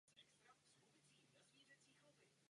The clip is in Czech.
Kvete nejčastěji v březnu až v dubnu.